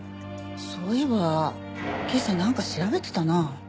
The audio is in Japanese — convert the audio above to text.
そういえば今朝なんか調べてたな。